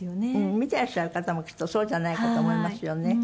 見てらっしゃる方もきっとそうじゃないかと思いますよね。